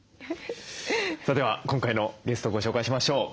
さあでは今回のゲストをご紹介しましょう。